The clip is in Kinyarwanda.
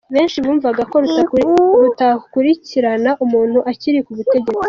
benshi bumvaga ko rutakurikirana umuntu akiri ku butegetsi.